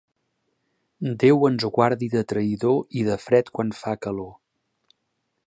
Déu ens guardi de traïdor i de fred quan fa calor.